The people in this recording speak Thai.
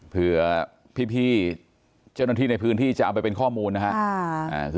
เผื่อพี่เจ้านที่ในพื้นที่จะเอามาเป็นข้อมูล